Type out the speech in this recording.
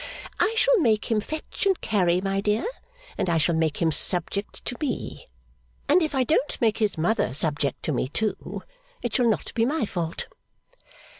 'I shall make him fetch and carry, my dear, and I shall make him subject to me. And if I don't make his mother subject to me, too, it shall not be my fault.